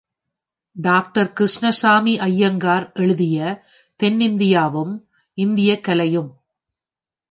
Doctor Krishnaswami Iyengar எழுதிய தென் இந்தியாவும், இந்தியக் கலையும்.